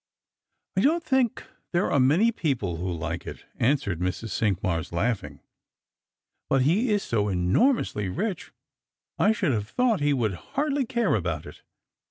" I don't think there are many people who like it," answered Mrs. Cinqmars, laughing. " But he is so enormously rich, I should have thought he could hardly care about it.